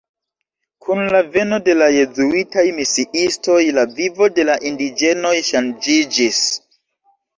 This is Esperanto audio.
Kun la veno de la jezuitaj misiistoj la vivo de la indiĝenoj ŝanĝiĝis.